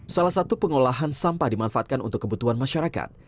salah satu pengolahan sampah dimanfaatkan untuk kebutuhan masyarakat